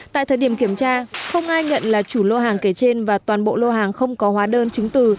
tại thời điểm kiểm tra không ai nhận là chủ lô hàng kể trên và toàn bộ lô hàng không có hóa đơn chứng từ